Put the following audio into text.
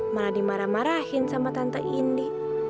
malah dimarah marahin sama tante indi